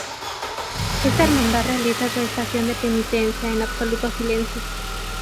Esta hermandad realiza su estación de penitencia en absoluto silencio.